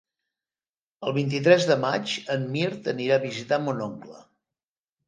El vint-i-tres de maig en Mirt anirà a visitar mon oncle.